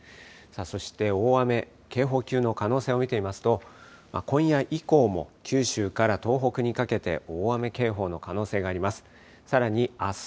そして、大雨、警報級の可能性を見てみますと、今夜以降も九州から東北にかけて大雨警報の可能性があります。